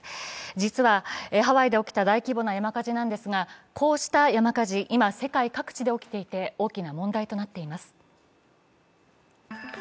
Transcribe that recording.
実はハワイで起きた大規模な山火事なんですがこうした山火事、今、世界各地で起きていて大きな問題となっています。